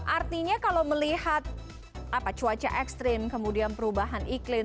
artinya kalau melihat cuaca ekstrim kemudian perubahan iklim